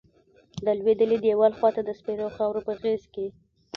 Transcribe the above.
د لویدلیی دیوال خواتہ د سپیرو خاور پہ غیز کیی